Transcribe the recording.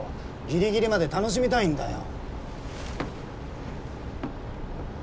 ギリギリまで楽しみたいんだよ。